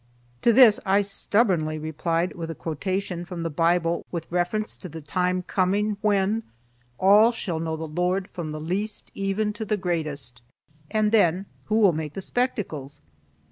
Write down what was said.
To this I stubbornly replied with a quotation from the Bible with reference to the time coming when "all shall know the Lord from the least even to the greatest," and then who will make the spectacles?